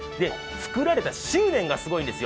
作られた執念がすごいんですよ。